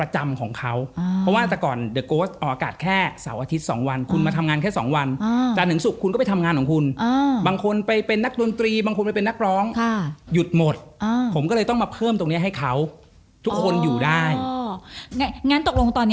หนังจบเดี๋ยวกูไปต่อ